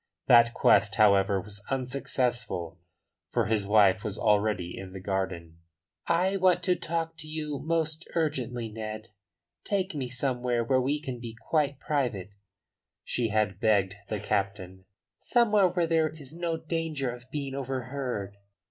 That quest, however, was unsuccessful, for his wife was already in the garden. "I want to talk to you most urgently, Ned. Take me somewhere where we can be quite private," she had begged the captain. "Somewhere where there is no danger of being overheard."